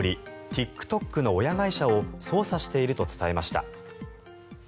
ＴｉｋＴｏｋの親会社を捜査していると伝えました。